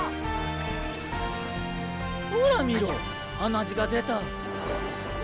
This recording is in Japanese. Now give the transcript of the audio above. ほら見ろ鼻血が出た。